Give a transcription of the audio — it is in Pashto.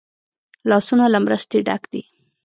لاسونه له مرستې ډک دي